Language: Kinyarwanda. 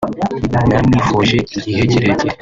naramwifuje igihe kirekire